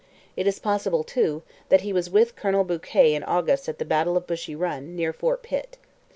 It is possible, too, that he was with Colonel Bouquet in August at the battle of Bushy Run, near Fort Pitt.